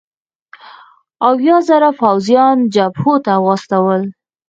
اویا زره پوځیان جبهو ته واستول.